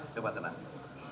coba tenang ya